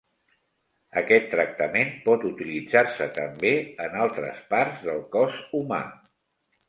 Aquest tractament pot utilitzar-se també en altres parts del cos humà.